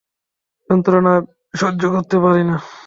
যন্ত্রণা আমি সহ্য করতে পারি না।